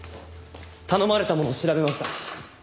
頼まれたものを調べました。